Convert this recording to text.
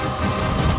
aku akan menang